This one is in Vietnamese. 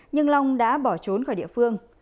nhưng long đã bỏ trốn khỏi địa phương